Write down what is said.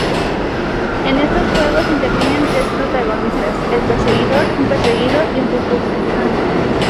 En estos juegos intervienen tres protagonistas: el perseguidor, un perseguido y un refugio.